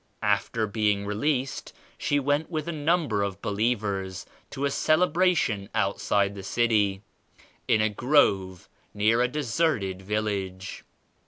After being re leased she went with a number of believers to a celebration outside the city, in a grove near a deserted village.